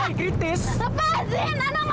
jarang berp wizard yuk kita